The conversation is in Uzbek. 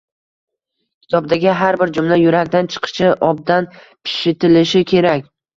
Kitobdagi har bir jumla yurakdan chiqishi, obdan pishitilishi kerak.